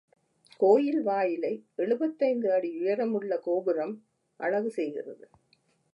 கோயில் வாயிலை எழுபத்தைந்து அடி உயரமுள்ள கோபுரம் அழகுசெய்கிறது.